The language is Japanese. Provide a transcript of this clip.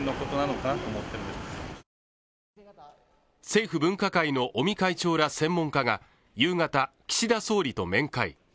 政府分科会の尾身会長ら専門家が夕方、岸田総理と面会。